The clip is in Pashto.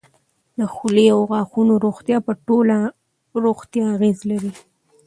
د خولې او غاښونو روغتیا په ټوله روغتیا اغېز لري.